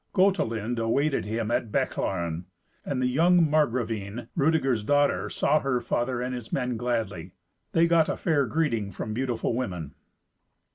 Gotelind awaited him at Bechlaren, and the young Margravine, Rudeger's daughter, saw her father and his men gladly. They got a fair greeting from beautiful women.